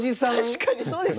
確かにそうですよね。